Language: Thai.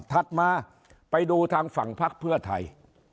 มาไปดูทางฝั่งพักเพื่อไทย